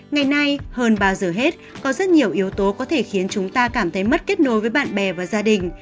ngày nay hơn bao giờ hết có rất nhiều yếu tố có thể khiến chúng ta cảm thấy mất kết nối với bạn bè và gia đình